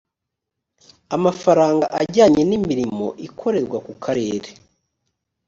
amafaranga ajyanye n’imirimo ikorerwa ku karere